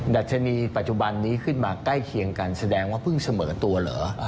ดัชนีปัจจุบันนี้ขึ้นมาใกล้เคียงกันแสดงว่าเพิ่งเสมอตัวเหรอ